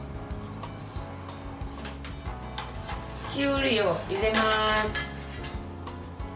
きゅうりを入れます。